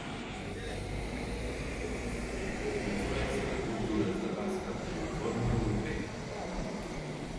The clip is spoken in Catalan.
Influència de cultures de vas campaniforme europees.